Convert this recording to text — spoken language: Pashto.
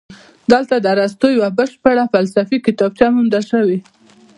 دلته د ارسطو یوه بشپړه فلسفي کتابچه موندل شوې